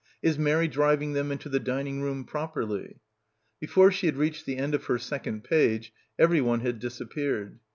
"Is Mary driving them into the dining room properly?" Before she had reached the end of her second page everyone had disappeared.